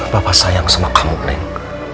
bapak sayang semua kamu neng